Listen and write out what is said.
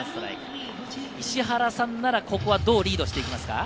石原さんならここはどうリードしますか？